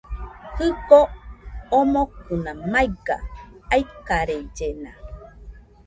Jɨko omokɨna maiga, aikarellena